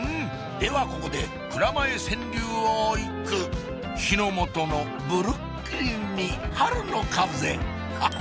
ではここで蔵前川柳を一句日のもとのブルックリンに春の風ハハ！